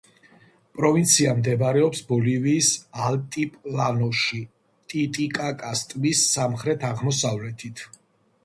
პროვინცია მდებარეობს ბოლივიის ალტიპლანოში, ტიტიკაკას ტბის სამხრეთ-აღმოსავლეთით.